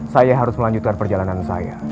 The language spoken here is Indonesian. saya harus melanjutkan perjalanan saya